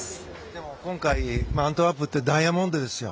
でも今回アントワープってダイヤモンドですよ。